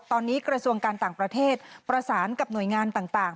ตอนนี้กระทรวงการต่างประเทศประสานกับหน่วยงานต่าง